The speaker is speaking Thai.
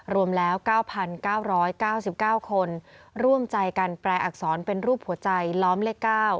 รวมแล้ว๙๙๙๙คนร่วมใจกันแปลอักษรเป็นรูปหัวใจล้อมเลข๙